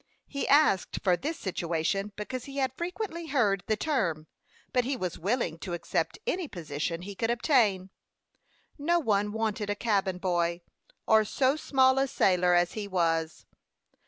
He asked for this situation, because he had frequently heard the term; but he was willing to accept any position he could obtain. No one wanted a cabin boy, or so small a sailor as he was.